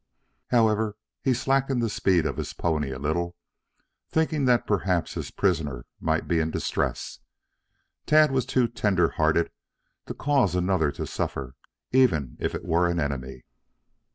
However, he slackened the speed of his pony a little, thinking that perhaps his prisoner might be in distress. Tad was too tender hearted to cause another to suffer, even if it were an enemy.